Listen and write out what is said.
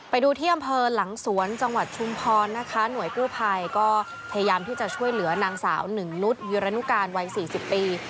ไปดูที่อำเภอหลังสวนจังหวัดชุมพรนะคะหน่วยกู้ภัยก็พยายามที่จะช่วยเหลือนางสาวหนึ่งนุษย์วิรณุการวัย๔๐ปี